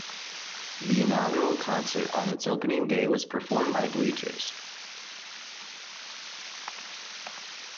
The inaugural concert on its opening day was performed by Bleachers.